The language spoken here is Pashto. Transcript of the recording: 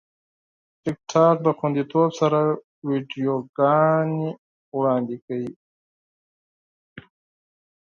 ټیکټاک د خوندیتوب سره ویډیوګانې وړاندې کوي.